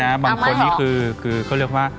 บางคนนี้คือเขาเรียกว่า